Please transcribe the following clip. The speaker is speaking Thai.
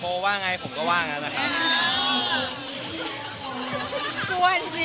ว่าไงผมก็ว่างั้นนะครับ